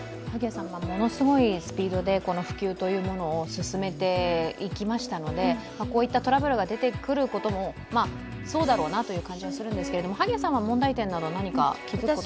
ものすごいスピードでこの普及というものを進めていきましたのでこういったトラブルが出てくることも、そうだろうなという感じはするんですけれども、萩谷さんは問題点など気付いたことありますか？